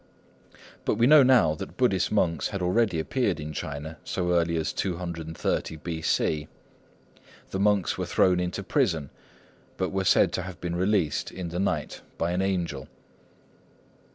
But we know now that Buddhist monks had already appeared in China so early as 230 B.C. The monks were thrown into prison, but were said to have been released in the night by an angel.